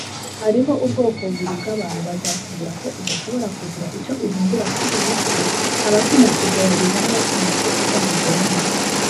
"hariho ubwoko bubiri bwabantu bazakubwira ko udashobora kugira icyo uhindura kuriyi si: abatinya kugerageza nabatinya ko uzabigeraho."